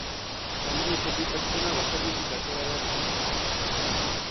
Adineko bi pertsona baserritik atera behar izan dituzte.